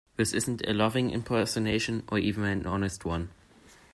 This isn't a loving impersonation, or even an honest one.